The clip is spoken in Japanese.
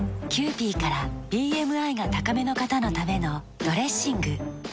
キユーピーからＢＭＩが高めの方のためのドレッシング。